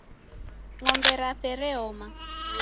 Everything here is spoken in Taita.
Ng'ombe rape reoma.